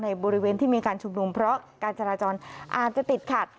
บริเวณที่มีการชุมนุมเพราะการจราจรอาจจะติดขัด